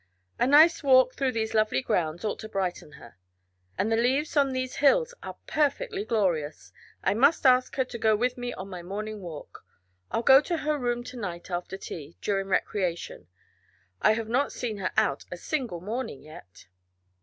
A nice walk through these lovely grounds ought to brighten her. And the leaves on these hills are perfectly glorious. I must ask her to go with me on my morning walk. I'll go to her room to night after tea during recreation. I have not seen her out a single morning yet."